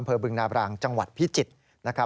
อำเภอบึงนาบลางจังหวัดพิจิตร